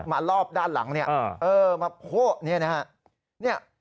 มารอบด้านหลังมาโค้นี่นะฮะ